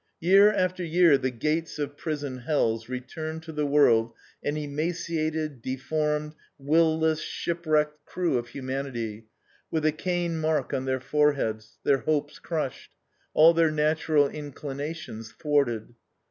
Year after year the gates of prison hells return to the world an emaciated, deformed, willless, ship wrecked crew of humanity, with the Cain mark on their foreheads, their hopes crushed, all their natural inclinations thwarted.